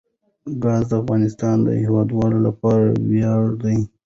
ګاز د افغانستان د هیوادوالو لپاره ویاړ دی.